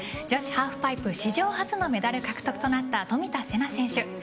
女子ハーフパイプ史上初のメダル獲得となった冨田せな選手。